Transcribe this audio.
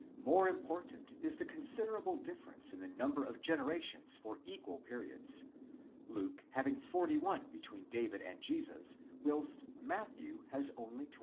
More important is the considerable difference in the number of generations for equal periods, Luke having 41 between David and Jesus, whilst Matthew has only 26.